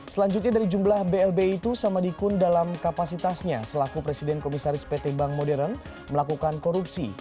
selanjutnya dari jumlah blb itu samadikun dalam kapasitasnya selaku presiden komisaris pt bank modern melakukan korupsi